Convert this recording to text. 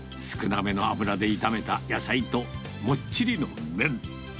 少なめの油で炒めた野菜と、もっちりの麺。